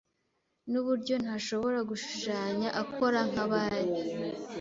Nuburyo ntashobora gushushanya akora nkabari.